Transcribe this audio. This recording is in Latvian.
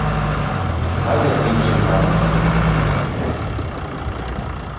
Tagad viņš ir mans.